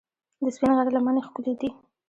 د سپین غر لمنې ښکلې دي